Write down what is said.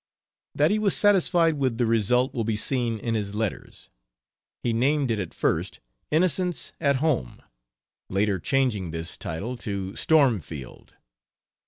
That he was satisfied with the result will be seen in his letters. He named it at first "Innocence at Home"; later changing this title to "Stormfield."